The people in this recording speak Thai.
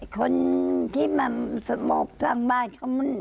คนที่สมบสร้องบ้าน